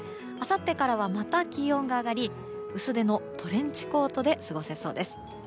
あさってからはまた気温が上がり薄手のトレンチコートで過ごせそうです。